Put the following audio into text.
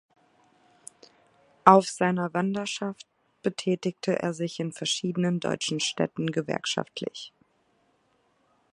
Auf seiner Wanderschaft betätigte er sich in verschiedenen deutschen Städten gewerkschaftlich.